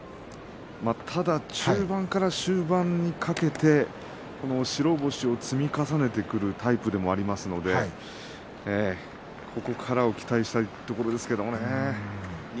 ただ、中盤から終盤にかけて白星を積み重ねてくるタイプでもありますのでここからを期待したいところですね。